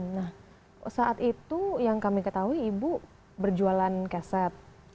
nah saat itu yang kami ketahui ibu berjualan keset